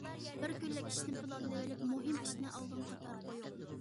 بىر كۈنلۈك ئىشنى پىلانلىۋېلىپ، مۇھىم ئىشنى ئالدىنقى قاتارغا قويۇڭ.